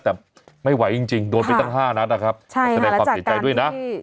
แต่ไม่ไหวจริงโดนไปตั้ง๕นัดใช่ค่ะแต่แต่ความแก้ใจด้วยนะ